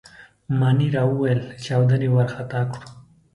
مانیرا وویل: چاودنې وارخطا کړو.